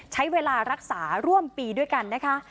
ใช้เวลารักษาร่วมปีด้วยกันนะคะ